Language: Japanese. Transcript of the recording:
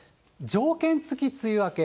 条件付き梅雨明け。